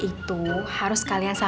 kamu harus lakukan itu